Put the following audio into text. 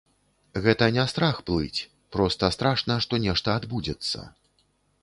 Гэта не страх плыць, проста страшна, што нешта адбудзецца.